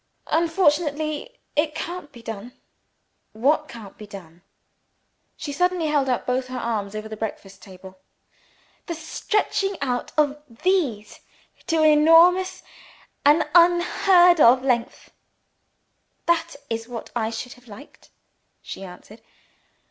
"Unfortunately, it can't be done!" "What can't be done?" She suddenly held out both her arms over the breakfast table. "The stretching out of these to an enormous and unheard of length. That is what I should have liked!" she answered.